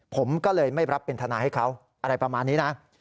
ผมก็เลยไม่รับเป็นทนายให้เขาอะไรประมาณนี้นะ